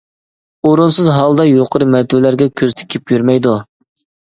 ئورۇنسىز ھالدا يۇقىرى مەرتىۋىلەرگە كۆز تىكىپ يۈرمەيدۇ.